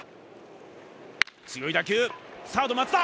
強い打球サード松田